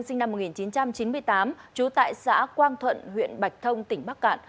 sinh năm một nghìn chín trăm chín mươi tám trú tại xã quang thuận huyện bạch thông tỉnh bắc cạn